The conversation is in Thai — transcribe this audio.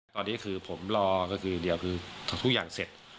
ตอนนี้คือผมรอก็คือเดี๋ยวคือทุกอย่างเสร็จ